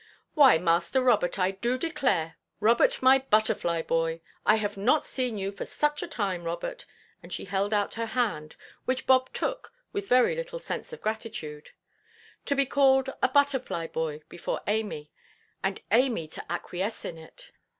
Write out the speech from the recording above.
"Why, Master Robert, I do declare, Robert, my butterfly boy! I have not seen you for such a time, Robert." And she held out her hand, which Bob took with very little sense of gratitude. To be called a "butterfly boy" before Amy, and Amy to acquiesce in it!